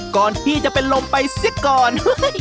ก่อนพี่จะไปลมไปซี่ก่อน